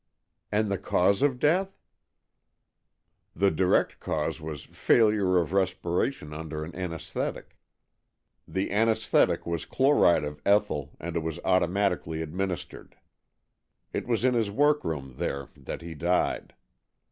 "And the cause of death .^"" The direct cause was failure of respira tion under an anaesthetic. The anaesthetic was chloride of ethyl, and it was automatic ally administered. It was in his workroom there that he died.